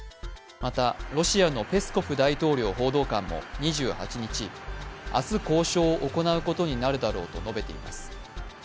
また、ロシアのペスコフ大統領報道官も２８日、明日交渉を行うことになるだろうと述べています。